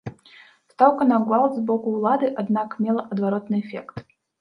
Стаўка на гвалт з боку ўлады, аднак, мела адваротны эфект.